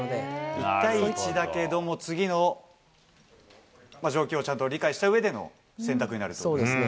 １対１だけども、次の状況をちゃんと理解したうえでの選択にそうですね。